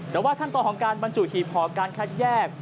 แต่ว่าขั้นต่อของการบรรจุทีพอการแค่แยก